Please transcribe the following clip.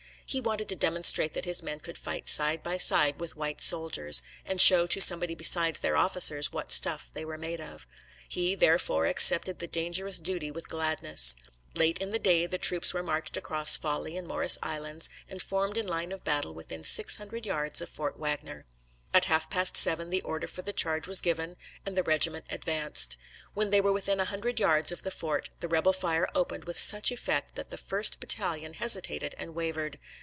He wanted to demonstrate that his men could fight side by side with white soldiers, and show to somebody beside their officers what stuff they were made of. He, therefore, accepted the dangerous duty with gladness. Late in the day the troops were marched across Folly and Morris islands and formed in line of battle within six hundred yards of Fort Wagner. At half past seven the order for the charge was given, and the regiment advanced. When they were within a hundred yards of the fort, the rebel fire opened with such effect that the first battalion hesitated and wavered.